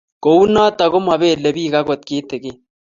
Ko u noto ko mapelepich akot kitikin.